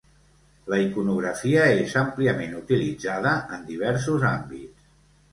La iconografia és àmpliament utilitzada en diversos àmbits.